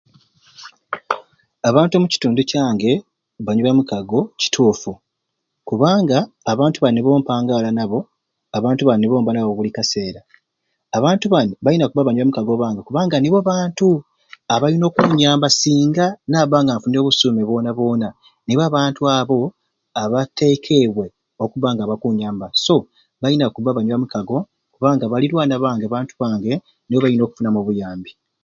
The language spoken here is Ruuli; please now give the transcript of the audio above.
Abantu omukitundu kyange banywi bamukago kituufu kubanga abantu bani nibo mpangaala nabo abantu bani nibo mba nabo buli kaseera abantu bani balina kubba bamikago bange kubanga nibo bantu abalina okunyamba singa ninabba nga nfunire obusuume bwona bwona nibo abantu abo abatekeibwe okubba nga bakunyamba so balina kubba banywi bamukago kubanga balirwana bange bantu bange nibo Nina okufunamu obuyambi